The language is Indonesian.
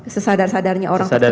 sesadar sadarnya orang tertekan